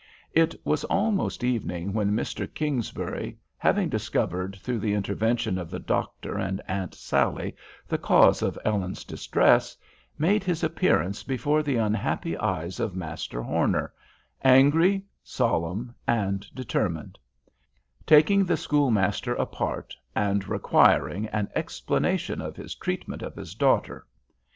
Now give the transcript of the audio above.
It was almost evening when Mr. Kingsbury, having discovered, through the intervention of the Doctor and Aunt Sally the cause of Ellen's distress, made his appearance before the unhappy eyes of Master Horner, angry, solemn and determined; taking the schoolmaster apart, and requiring, an explanation of his treatment of his daughter.